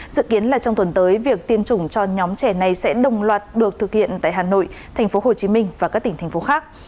dự kiến là trong tuần tới việc tiêm chủng cho nhóm trẻ này sẽ đồng loạt được thực hiện tại hà nội tp hcm và các tỉnh thành phố khác